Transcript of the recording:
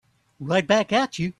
Right back at you.